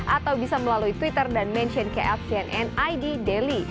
atau bisa melalui twitter dan mention kayak cnn id daily